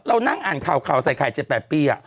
เรานั่งอ่านคาวใส่ไข่๗๘ปีอ่ะ